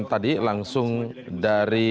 tadi langsung dari